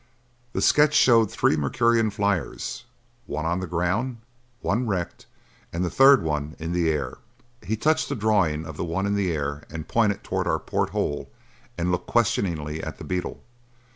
The sketch showed three Mercurian flyers, one on the ground, one wrecked and the third one in the air. He touched the drawing of the one in the air and pointed toward our port hole and looked questioningly at the beetle.